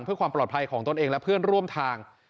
เพื่อความปลอดภัยของตนเองและเพื่อนร่วมทาง